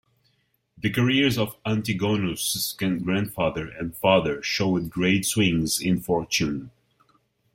The careers of Antigonus's grandfather and father showed great swings in fortune.